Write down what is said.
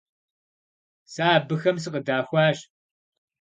Сэ абыхэм сыкъыдахуащ.